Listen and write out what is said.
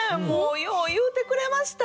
よう言うてくれました！